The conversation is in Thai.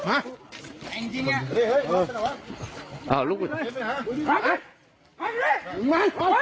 เอาอันนี้เอาอันนี้ไม่เป็นไรไม่เป็นไร